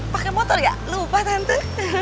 pakai motor gak lupa tante